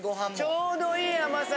ちょうどいい甘さ。